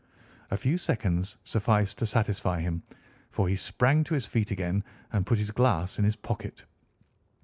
A few seconds sufficed to satisfy him, for he sprang to his feet again and put his glass in his pocket.